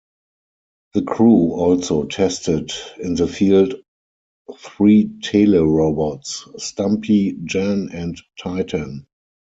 The crew also tested in the field three telerobots, Stumpy, Jan and Titan.